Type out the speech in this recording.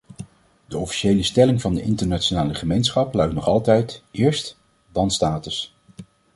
De officiële stelling van de internationale gemeenschap luidt nog altijd: eerst , dan status.